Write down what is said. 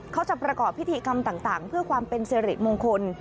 เขาจะประกอบพิธีกรรมต่างเพื่อความเป็นสิริมงคล